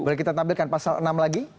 boleh kita tampilkan pasal enam lagi